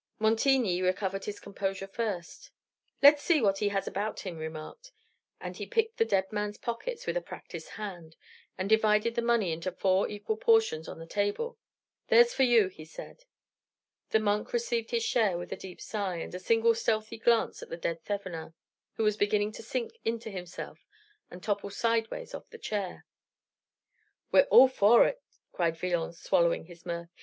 Montigny recovered his composure first. "Let's see what he has about him," he remarked; and he picked the dead man's pockets with a practised hand, and divided the money into four equal portions on the table. "There's for you," he said. The monk received his share with a deep sigh, and a single stealthy glance at the dead Thevenin, who was beginning to sink into himself and topple sideways off the chair. "We're all in for it," cried Villon, swallowing his mirth.